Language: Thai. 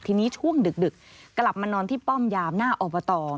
ทีนี้ช่วงดึกกลับมานอนที่ป้อมยามหน้าอบต